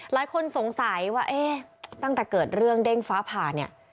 หลายคนสงสัยว่าเอ๊ะตั้งแต่เกิดเรื่องเด้งฟ้าผ่าเนี่ย